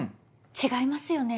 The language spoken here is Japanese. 違いますよね？